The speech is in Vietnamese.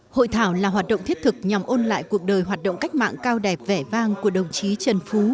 hội thảo là hoạt động thiết thực nhằm ôn lại cuộc đời hoạt động cách mạng cao đẹp vẻ vang của đồng chí trần phú